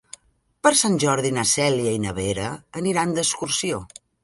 Per Sant Jordi na Cèlia i na Vera aniran d'excursió.